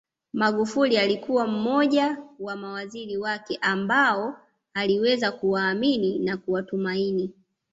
Magufuli alikuwa mmoja wa mawaziri wake ambao aliweza kuwaamini na kuwatumaini